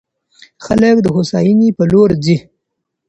خلګ د هوساینې په لور ځي.